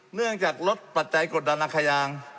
เนื่องจากลดปัจจัยกดดันราคายาง